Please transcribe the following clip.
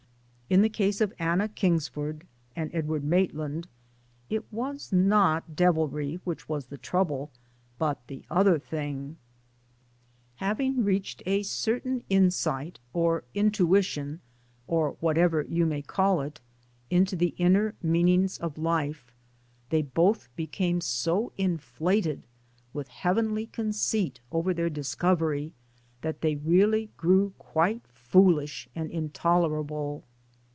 In the case of Anna Kingsford and Edward Mait land it was not devilry which was the trouble, but the other thing ! Having reached a certain insigh 16 242 MY DAYS AND DREAMS or intuition, or whatever you may call it, into the inner meanings of life, they both became so inflated with heavenly conceit over their discovery that they really grew quite foolish and intolerable.